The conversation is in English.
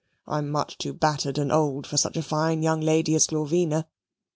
I am much too battered and old for such a fine young lady as Glorvina."